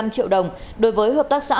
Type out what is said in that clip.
một mươi năm triệu đồng đối với hợp tác xã